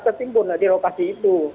tertimbun di lokasi itu